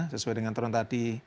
sesuai dengan aturan tadi